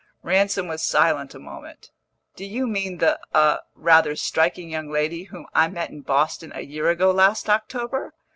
Ransom was silent a moment. "Do you mean the a rather striking young lady whom I met in Boston a year ago last October?